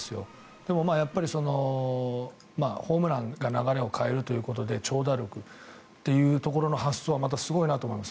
でも、ホームランが流れを変えるということで長打力というところの発想はまたすごいなと思うんです。